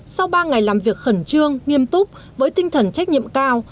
sau ba ngày làm việc khẩn trương nghiêm túc với tinh thần trách nhiệm cao